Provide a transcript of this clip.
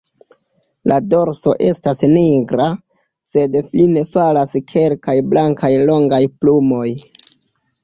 La dorso estas nigra, sed fine falas kelkaj blankaj longaj plumoj.